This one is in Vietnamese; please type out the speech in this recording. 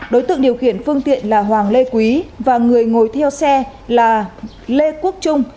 đối tượng điều khiển phương tiện là hoàng lê quý và người ngồi theo xe là lê quốc trung